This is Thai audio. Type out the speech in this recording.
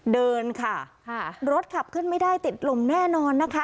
เดินค่ะรถขับขึ้นไม่ได้ติดลมแน่นอนนะคะ